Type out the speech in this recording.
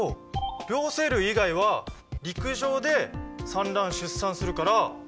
両生類以外は陸上で産卵・出産するから。